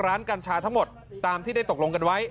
ร้านเครื่องการเครื่องการเทียบติดทั้งหมด